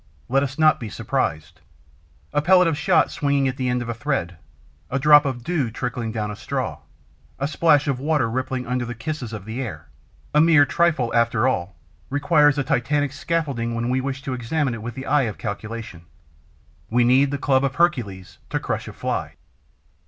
Let us not be surprised. A pellet of shot swinging at the end of a thread, a drop of dew trickling down a straw, a splash of water rippling under the kisses of the air, a mere trifle, after all, requires a titanic scaffolding when we wish to examine it with the eye of calculation. We need the club of Hercules to crush a fly.